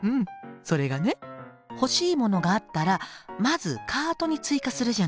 それがね欲しいものがあったらまずカートに追加するじゃない。